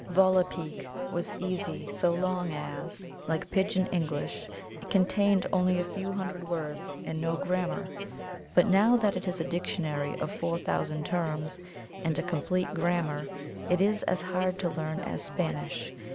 VOLAPUK was easy so long as, like Pidgin English, it contained only a few hundred words and no grammar. But now that it has a dictionary of 4,000 terms and a complete grammar it is as hard to learn as Spanish.